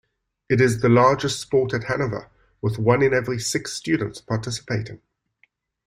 It is the largest sport at Hanover, with one in every six students participating.